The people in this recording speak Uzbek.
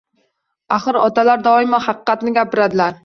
Axir, otalar doimo haqiqatni gapiradilar